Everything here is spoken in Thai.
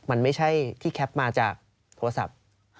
มันไม่ใช่ที่แคปมาจากโทรศัพท์